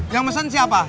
yang mesen siapa